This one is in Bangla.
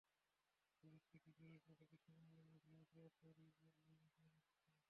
কলেজ থেকে ফেরার পথে বৃষ্টি নামলে মাঝে মাঝে অকারণে নেমে যাই রাস্তায়।